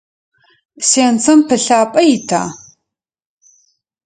Сенцэм пылъапӏэ ита?